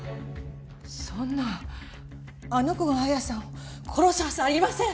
そんなあの子が彩矢さんを殺すはずありません！